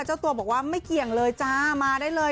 เจ้าตัวบอกว่าไม่เกี่ยงเลยจ้ามาได้เลย